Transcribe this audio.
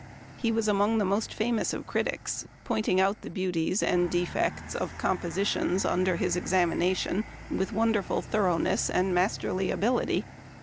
He was among the most famous of critics, pointing out the beauties and defects of com positions under his examination with wonderful thoroughness and masterly ability.